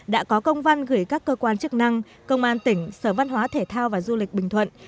đã có công văn gửi các cơ quan chức năng công an tỉnh sở văn hóa thể thao và du lịch bình thuận